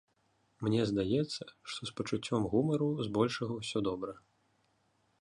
Мне здаецца, што з пачуццём гумару збольшага ўсё добра.